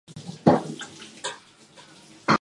Tom didn't open it.